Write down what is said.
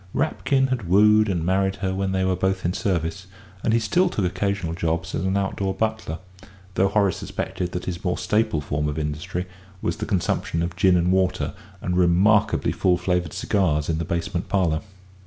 Rapkin had wooed and married her when they were both in service, and he still took occasional jobs as an outdoor butler, though Horace suspected that his more staple form of industry was the consumption of gin and water and remarkably full flavoured cigars in the basement parlour.